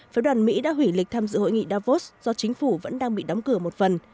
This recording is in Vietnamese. phái đoàn mỹ đã hủy lịch tham dự hội nghị davos do chính phủ vẫn đang bị đóng cửa một phần